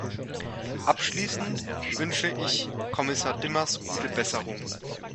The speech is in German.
Abschließend wünsche ich Kommissar Dimas gute Besserung.